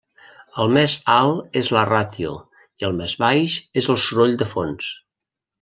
El més alt és la ràtio, i el més baix és el soroll de fons.